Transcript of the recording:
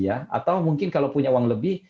atau mungkin kalau punya uang lebih